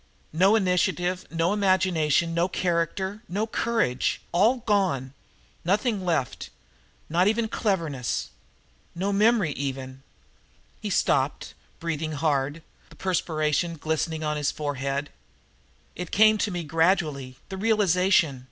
No initiative no imagination no character no courage! All gone. Nothing left not even cleverness. No memory even!" He stopped, breathing hard, the perspiration glistening on his forehead. "It came to me gradually the realization.